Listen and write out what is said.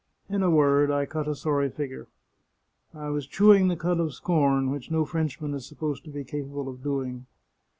In a word, I cut a sorry figure. I was chewing the cud of scorn, which no Frenchman is supposed to be capable of doing.